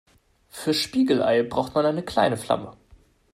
Für Spiegelei braucht man eine kleine Flamme.